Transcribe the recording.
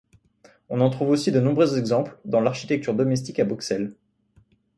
On en trouve aussi de nombreux exemples dans l'architecture domestique à Bruxelles.